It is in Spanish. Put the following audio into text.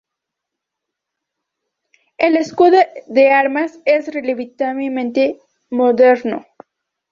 El escudo de armas es relativamente moderno.